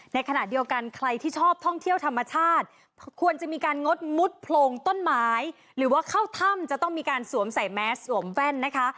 ในขณะเดียวกันใครที่ชอบท่องเที่ยวธรรมชาติควรจะมีการงดมุดโพรงต้นไม้หรือว่าเข้าถ้ำจะต้องมีการสวมใส่แมสสวมแว่นนะคะ